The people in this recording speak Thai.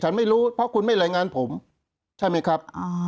ไม่รู้เพราะคุณไม่รายงานผมใช่ไหมครับ